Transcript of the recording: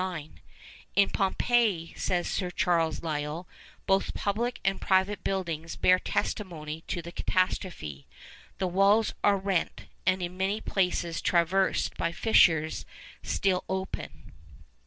'In Pompeii,' says Sir Charles Lyell, 'both public and private buildings bear testimony to the catastrophe. The walls are rent, and in many places traversed by fissures still open.